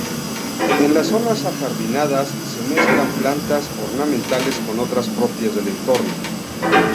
En las zonas ajardinadas se mezclan plantas ornamentales con otras propias del entorno.